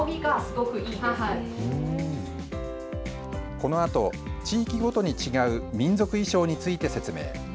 このあと地域ごとに違う民族衣装について説明。